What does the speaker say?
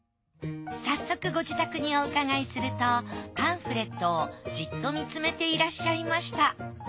早速ご自宅にお伺いするとパンフレットをジッと見つめていらっしゃいました。